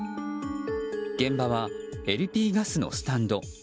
現場はＬＰガスのスタンド。